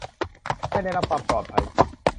ให้ได้รับความปลอดภัย